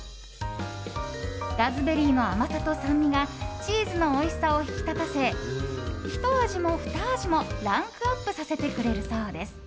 ラズベリーの甘さと酸味がチーズのおいしさを引き立たせひと味もふた味もランクアップさせてくれるそうです。